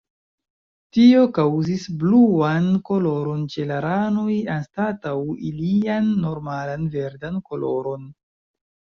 Tio kaŭzis bluan koloron ĉe la ranoj anstataŭ ilian normalan verdan koloron.